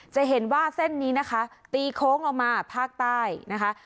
จะเห็นว่าเส้นนี้นะคะตีโค้งลงมาภาคใต้นะคะ